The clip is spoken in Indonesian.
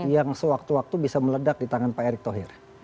yang sewaktu waktu bisa meledak di tangan pak erick thohir